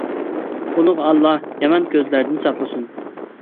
ئۇلۇغ ئاللاھ يامان كۆزلەردىن ساقلىسۇن!